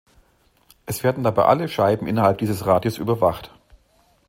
Es werden dabei alle Scheiben innerhalb dieses Radius überwacht.